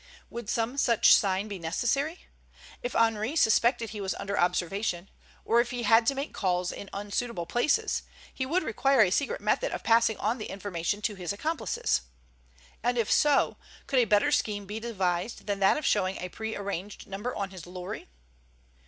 Would some such sign be necessary? If Henri suspected he was under observation, or if he had to make calls in unsuitable places, he would require a secret method of passing on the information to his accomplices. And if so, could a better scheme be devised than that of showing a prearranged number on his lorry?